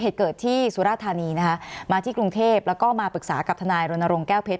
เหตุเกิดที่สุราธานีนะคะมาที่กรุงเทพแล้วก็มาปรึกษากับทนายรณรงค์แก้วเพชร